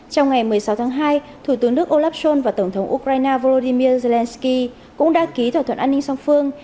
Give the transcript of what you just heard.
trong ngày một mươi sáu tháng hai thủ tướng đức olaf scholz và tổng thống ukraine volodymyr zelensky cũng đã ký thỏa thuận an ninh song phương